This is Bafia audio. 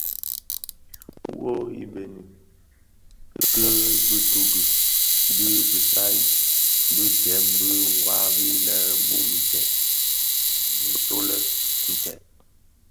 Wuo ibëňi ki bitughe dhi bisai bi dèm bi nwari lè bum ntèd ntolè nted.